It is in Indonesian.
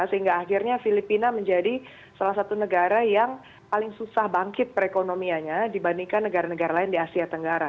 sehingga akhirnya filipina menjadi salah satu negara yang paling susah bangkit perekonomianya dibandingkan negara negara lain di asia tenggara